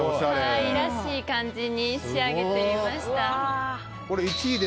かわいらしい感じに仕上げてみました。